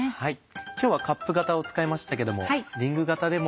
今日はカップ型を使いましたけどもリング型でも。